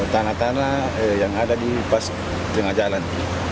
tanah tanah yang ada di tengah jalan